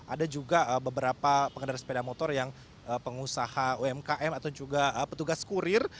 ada juga beberapa pengendara sepeda motor yang pengusaha umkm atau juga petugas kurir